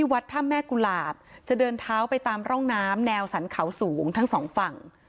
วัดถ้ำแม่กุหลาบจะเดินเท้าไปตามร่องน้ำแนวสรรเขาสูงทั้งสองฝั่ง